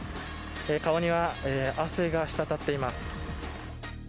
顔には汗が滴っています。